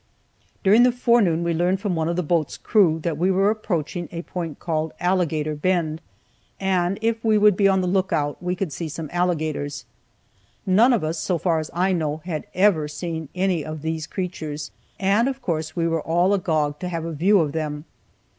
During the forenoon we learned from one of the boat's crew that we were approaching a point called "Alligator Bend," and if we would be on the lookout we would see some alligators. None of us, so far as I know, had ever seen any of those creatures, and, of course, we were all agog to have a view of them.